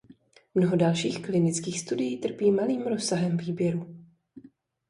Mnoho dalších klinických studií trpí malým rozsahem výběru.